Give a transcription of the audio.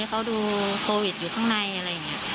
เขาดูโควิดอยู่ข้างในอะไรอย่างนี้